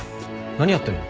何やってんの？